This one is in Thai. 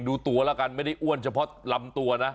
ดูตัวแล้วกันไม่ได้อ้วนเฉพาะลำตัวนะ